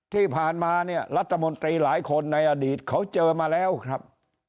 ที่ผ่านมาเนี่ยรัฐมนตรีหลายคนในอดีตเขาเจอมาแล้วครับ